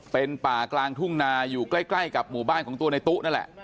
เป็นป่ากลางทุ่งนาอยู่ใกล้กับหมู่บ้านของตัวในตู้นั่นแหละ